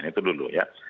itu dulu ya